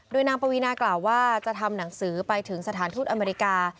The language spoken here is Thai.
โดยนางปวีนากล่าวว่าจะทำหนังสือไปถึงสถานทูตอเมริกา